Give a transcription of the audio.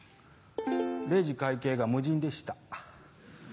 レジ会計が無人でした。